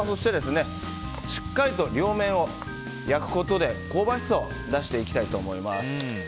しっかりと両面を焼くことで、香ばしさを出していきたいと思います。